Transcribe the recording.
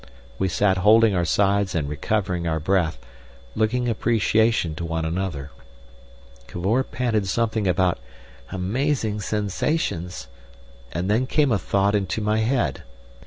We sat holding our sides and recovering our breath, looking appreciation to one another. Cavor panted something about "amazing sensations." And then came a thought into my head.